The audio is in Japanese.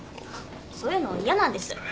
そういうの嫌なんです。